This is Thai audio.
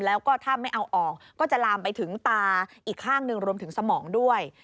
แล้วก็ถ้าไม่เอาออกก็จะลามไปถึงตาอีกข้างหนึ่งรวมถึงสมองด้วย